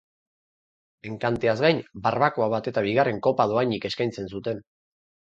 Enkanteaz gain, barbakoa bat eta bigarren kopa dohainik eskaintzen zuten.